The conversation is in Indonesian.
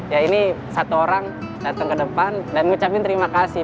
ya ini satu orang datang ke depan dan ngucapin terima kasih